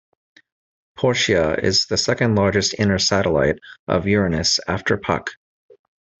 Portia is the second-largest inner satellite of Uranus after Puck.